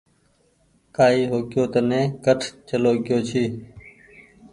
ڪآئي هوگئيو تني ڪٺ چلو گيو ڇي۔